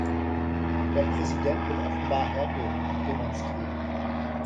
Der Präsident will offenbar Härte demonstrieren.